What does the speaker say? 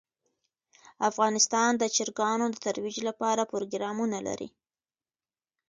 افغانستان د چرګانو د ترویج لپاره پروګرامونه لري.